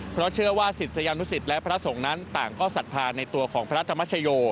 เพราะเชื่อว่าศิษยานุสิตและพระสงฆ์นั้นต่างก็ศรัทธาในตัวของพระธรรมชโย